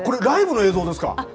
これライブの映像ですか。